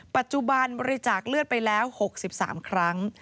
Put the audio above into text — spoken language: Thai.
ปัจจุบันบริจาคเลือดไปแล้ว๖๓ครั้ง